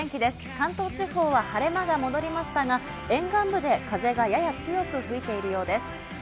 関東地方は晴れ間が戻りましたが、沿岸部で風がやや強く吹いているようです。